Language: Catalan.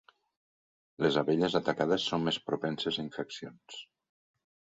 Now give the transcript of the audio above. Les abelles atacades són més propenses a infeccions.